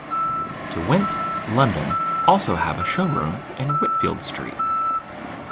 Derwent London also have a showroom in Whitfield Street.